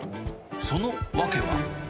その訳は。